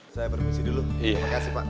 saya berfungsi dulu terima kasih pak